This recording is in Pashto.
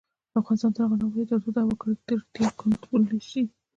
افغانستان تر هغو نه ابادیږي، ترڅو د هوا ککړتیا کنټرول نشي.